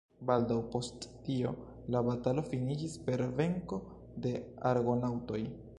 Baldaŭ post tio la batalo finiĝis per venko de Argonaŭtoj.